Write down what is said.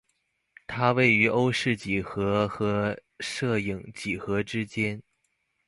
它位于欧氏几何和射影几何之间。